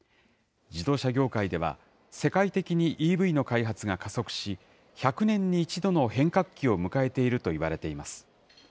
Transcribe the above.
自動車業界では、世界的にＥＶの開発が加速し、１００年に１度の変革期を迎えているといわれています。